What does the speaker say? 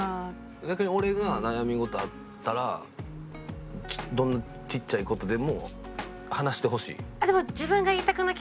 逆に俺が悩み事あったらどんなちっちゃい事でも話してほしい？